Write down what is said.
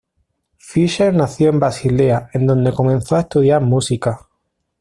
Fischer nació en Basilea en donde comenzó a estudiar música.